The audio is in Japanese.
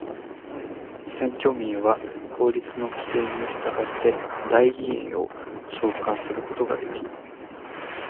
選挙民は法律の規定に従って代議員を召還することができる。